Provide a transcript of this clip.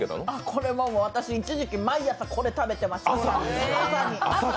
これは私、一時期、毎朝これ食べていました。